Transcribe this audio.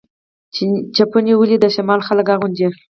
چپنې ولې د شمال خلک اغوندي؟